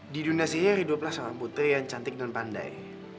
di dunia sihir hiduplah sang putri yang cantik dan pandai